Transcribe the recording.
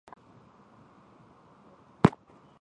其后再转投锡耶纳和墨西拿两支意大利小型球会。